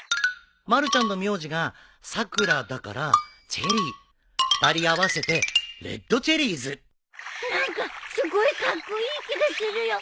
まるちゃんの名字が「さくら」だから「チェリー」２人合わせて「レッドチェリーズ」何かすごいカッコイイ気がするよ。